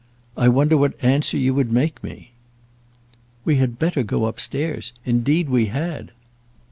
"I wonder what answer you would make me!" "We had better go up stairs. Indeed we had."